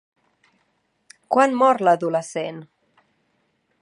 Quan mor l'adolescent?